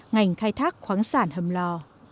ngành khai thác khoáng sản hầm lò